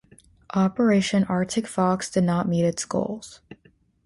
Operation Arctic Fox did not meet its goals.